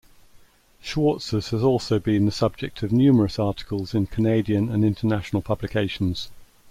Schwartz's has also been the subject of numerous articles in Canadian and international publications.